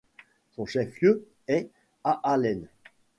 Son chef-lieu est Aalen.